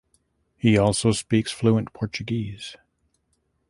He also speaks fluent Portuguese.